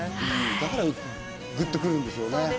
だからグッとくるんでしょうね。